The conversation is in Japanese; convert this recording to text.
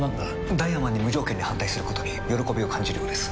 ダイワマンに無条件に反対することに喜びを感じるようです。